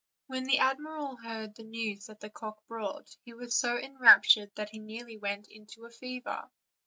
When the admiral heard the news that the cock brought he was so enraptured that he nearly went into a fever.